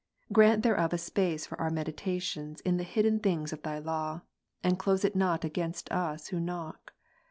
Grant thereof a space for our meditations in the hidden things of Thy lata, and close it not against us who knock.